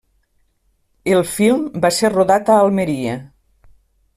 El film va ser rodat a Almeria.